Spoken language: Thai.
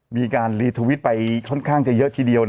มีการรีทวิตไปค่อนข้างจะเยอะทีเดียว